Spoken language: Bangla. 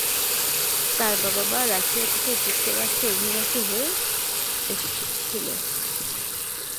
তার বাবা-মা রাশিয়া থেকে যুক্তরাষ্ট্রে অভিবাসী হয়ে এসচিল।